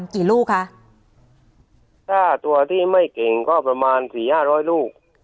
กี่ลูกคะถ้าตัวที่ไม่เก่งก็ประมาณสี่ห้าร้อยลูก